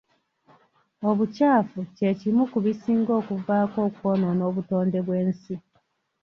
Obukyafu kye kimu ku bisinga okuvaako okwonoona obutonde bw'ensi.